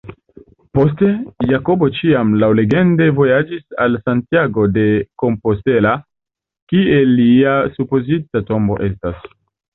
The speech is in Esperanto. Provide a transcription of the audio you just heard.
Poste, Jakobo ĉiam laŭlegende vojaĝis al Santiago de Compostela kie lia supozita tombo estas.